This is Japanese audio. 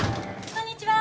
こんにちは！